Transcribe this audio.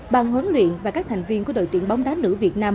bàn huấn luyện và các thành viên của đội tuyển bóng đá nữ việt nam